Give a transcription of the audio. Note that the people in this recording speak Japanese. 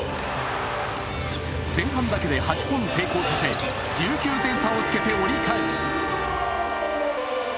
前半だけで８本成功させ１９点差をつけて折り返す。